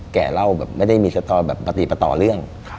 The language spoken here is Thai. เล่าแบบไม่ได้มีสตอแบบปฏิปต่อเรื่อง